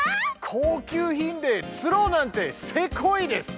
高級品でつろうなんてセコイです。